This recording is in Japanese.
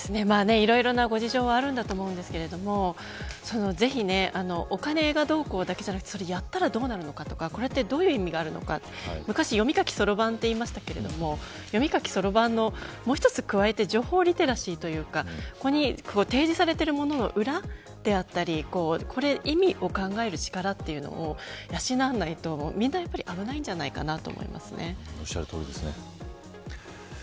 いろいろなご事情はあると思うんですけどお金がどうこうだけではなくやったらどうなるのかとかどういう意味があるのか昔は読み書き、そろばんと言いましたがもう一つ加えて情報リテラシーというか提示されているものの裏であったり意味を考える力というものを養わないとみんな危ないんじゃないかとおっしゃるとおりですね。